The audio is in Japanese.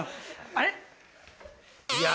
あれ？